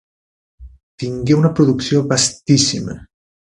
Tingué una producció vastíssima.